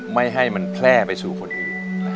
ไม่ให้มันแพร่ไปสู่คนอื่น